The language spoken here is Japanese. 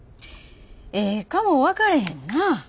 ええかも分かれへんな。